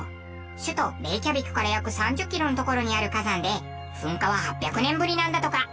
首都レイキャビクから約３０キロの所にある火山で噴火は８００年ぶりなんだとか。